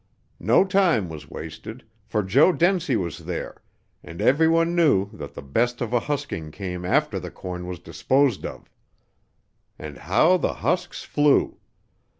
No time was wasted, for Joe Dencie was there, and every one knew that the best of a husking came after the corn was disposed of. And how the husks flew!